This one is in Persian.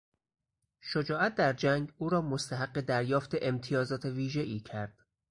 شجاعت در جنگ او را مستحق دریافت امتیازات ویژهای کرد.